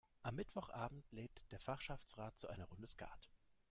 Am Mittwochabend lädt der Fachschaftsrat zu einer Runde Skat.